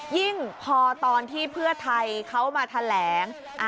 ยิ่งพอตอนที่เพื่อไทยเขามาแถลง